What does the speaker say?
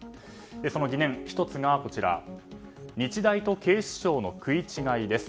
その疑念、１つが日大と警視庁の食い違いです。